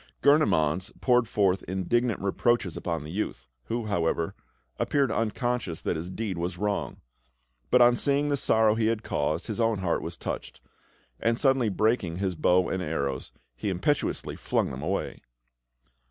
Gurnemanz poured forth indignant reproaches upon the youth, who, however, appeared unconscious that his deed was wrong; but on seeing the sorrow he had caused, his own heart was touched, and suddenly, breaking his bow and arrows, he impetuously flung them away.